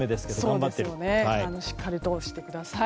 しっかりと対策をしてください。